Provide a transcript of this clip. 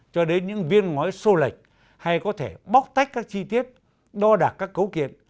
cho đến những viên ngói xô lệch hay có thể bóc tách các chi tiết đo đạc các cấu kiện